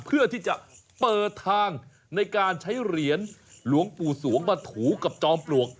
เพื่อที่จะเปิดทางในการใช้เหรียญหลวงปู่สวงมาถูกับจอมปลวก